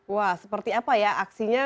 wah seperti apa ya aksinya